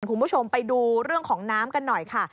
คุณผู้ชมไปดูเรื่องของน้ำกันหน่อยค่ะ